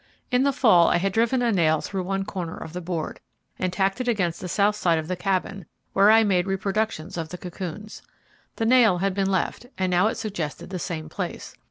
In the fall I had driven a nail through one corner of the board, and tacked it against the south side of the Cabin, where I made reproductions of the cocoons. The nail had been left, and now it suggested the same place.